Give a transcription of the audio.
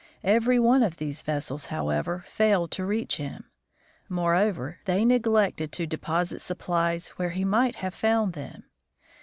Every one of these vessels, however, failed to reach him ; moreover, they neglected to deposit supplies where he might have found them.